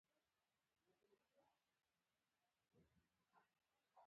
ایا زه باید طلاق واخلم؟